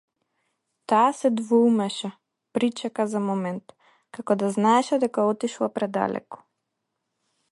Таа се двоумеше, причека за момент, како да знаеше дека отишла предалеку.